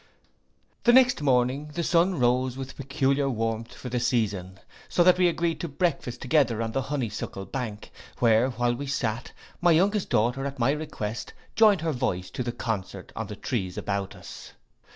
The next morning the sun rose with peculiar warmth for the season; so that we agreed to breakfast together on the honeysuckle bank: where, while we sate, my youngest daughter, at my request, joined her voice to the concert on the trees about us.